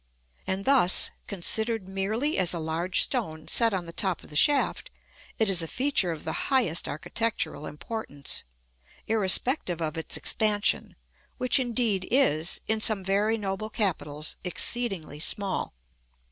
And thus, considered merely as a large stone set on the top of the shaft, it is a feature of the highest architectural importance, irrespective of its expansion, which indeed is, in some very noble capitals, exceedingly small.